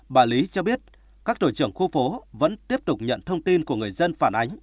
bà lý cho biết các tổ trưởng khu phố vẫn tiếp tục nhận thông tin của người dân phản ánh